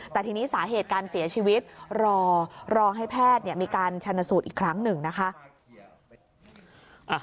แต่ทีนี้สาเหตุการเสียชีวิตรอให้แพทย์มีการชนสูตรอีกครั้งหนึ่งนะคะ